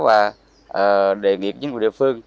và đề nghị chính phủ địa phương